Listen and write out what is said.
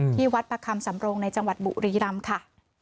ที่วัดประคำสำโรงในจังหวัดบุรีรำค่ะ